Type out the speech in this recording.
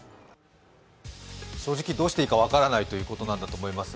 正直どうしていいか分からないということなんだと思います。